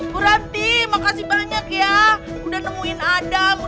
bu ranti makasih banyak ya udah nemuin adam udah bantuin nyariin adam sampai ketemu